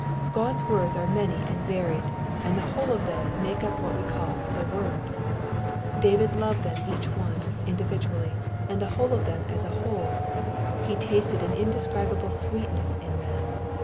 God's words are many and varied, and the whole of them make up what we call the word ": David loved them each one, individually, and the whole of them as a whole ; he tasted an indescribable sweetness in them.